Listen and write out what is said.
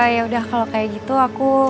yaudah kalau kayak gitu aku